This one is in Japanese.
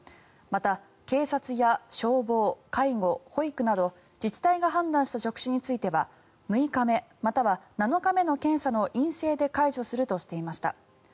また、警察や消防介護、保育など自治体が判断した職種については６日目、または７日目の検査の陰性で解除するとしていました。